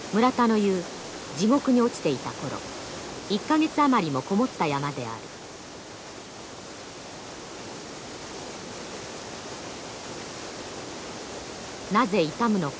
村田の言う地獄に落ちていた頃１か月余りも籠もった山である。